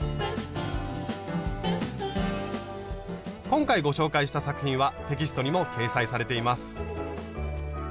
今回ご紹介した作品はテキストにも掲載されています。